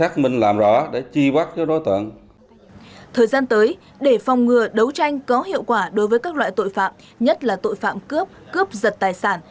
thời gian tới để phòng ngừa đấu tranh có hiệu quả đối với các loại tội phạm nhất là tội phạm cướp cướp giật tài sản